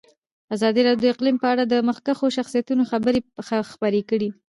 ازادي راډیو د اقلیم په اړه د مخکښو شخصیتونو خبرې خپرې کړي.